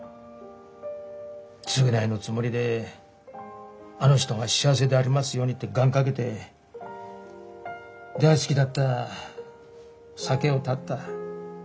償いのつもりであの人が幸せでありますようにって願かけて大好きだった酒を断った。